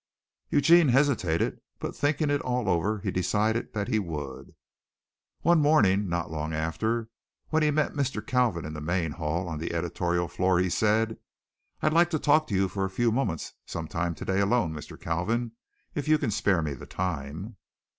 Eugene hesitated, but after thinking it all over he decided that he would. One morning not long after, when he met Mr. Kalvin in the main hall on the editorial floor, he said, "I'd like to talk to you for a few moments some time today alone, Mr. Kalvin, if you can spare me the time."